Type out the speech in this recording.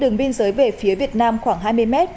đường biên giới về phía việt nam khoảng hai mươi m